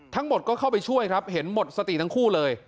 ทั้งหมดก็เข้าไปช่วยครับเห็นหมดสติทั้งคู่เลย